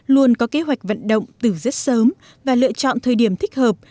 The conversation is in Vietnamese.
luôn có kế hoạch vận động từ rất sớm và lựa chọn thời điểm thích hợp